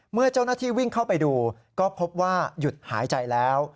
เมื่อเจ้าหน้าที่วิ่งเข้าไปดูก็พบว่าหยุดหายใจแล้ว